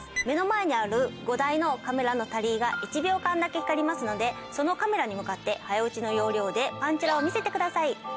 目の前にある５台のカメラのタリーが１秒間だけ光りますのでそのカメラに向かって早撃ちの要領でパンチラを見せてください。